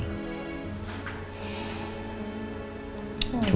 tapi dia selalu berpikir apa yang akan terjadi